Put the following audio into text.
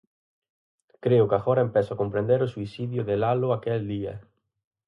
Creo que agora empezo a comprender o suicidio de Lalo aquel día.